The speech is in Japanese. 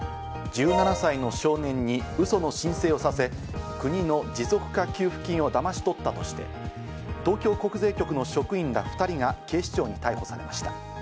１７歳の少年にウソの申請をさせ、国の持続化給付金をだまし取ったとして、東京国税局の職員ら２人が警視庁に逮捕されました。